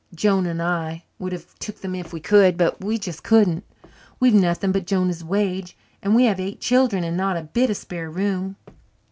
Jonah and I would have took them if we could, but we just couldn't we've nothing but Jonah's wages and we have eight children and not a bit of spare room.